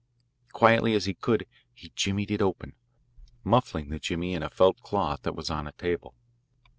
Quietly as he could, he jimmied it open, muffling the jimmy in a felt cloth that was on a table.